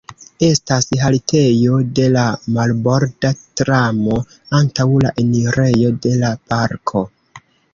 Estas haltejo de la marborda tramo antaŭ la enirejo de la parko.